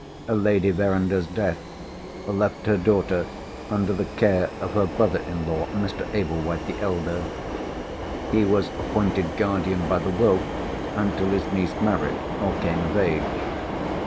Lady Verinder's death left her daughter under the care of her brother in law, Mr. Ablewhite the elder. He was appointed guardian by the will, until his niece married, or came of age.